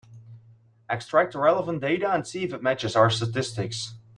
Extract the relevant data and see if it matches our statistics.